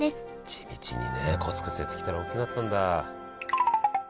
地道にねコツコツやってきたら大きくなったんだ。